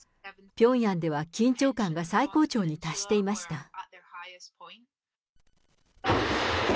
ピョンヤンでは緊張感が最高潮に達していました。